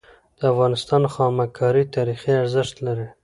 د افغانستان خامک کاری تاریخي ارزښت لري.